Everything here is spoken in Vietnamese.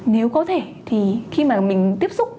nếu có thể thì khi mà mình tiếp xúc